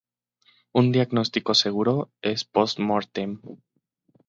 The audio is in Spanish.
Un diagnóstico seguro es post-mortem.